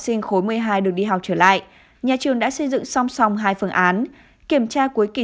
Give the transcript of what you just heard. sinh khối một mươi hai được đi học trở lại nhà trường đã xây dựng song song hai phương án kiểm tra cuối kỳ